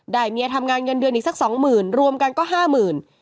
ได้เมียทำงานเงินเดือนอีกสัก๒๐๐๐๐บาทรวมกันก็๕๐๐๐๐บาท